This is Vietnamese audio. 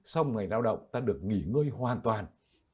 sau ngày lao động ta được nghỉ ngơi hoàn toàn